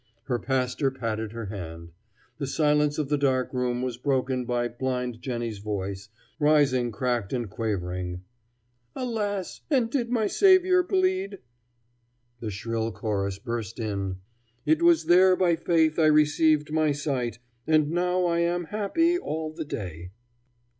Her pastor patted her hand. The silence of the dark room was broken by Blind Jennie's voice, rising cracked and quavering: "Alas! and did my Saviour bleed?" The shrill chorus burst in: It was there by faith I received my sight, And now I am happy all the day.